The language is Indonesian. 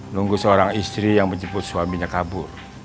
nunggu seorang istri yang menjemput suaminya kabur